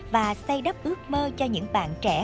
và xây đắp ước mơ cho những bạn trẻ